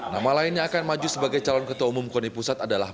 nama lain yang akan maju sebagai calon ketua umum koni pusat adalah